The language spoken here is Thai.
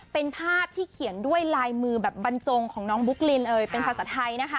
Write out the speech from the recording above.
เป็นภาพที่เขียนด้วยลายมือแบบบรรจงของน้องบุ๊กลินเลยเป็นภาษาไทยนะคะ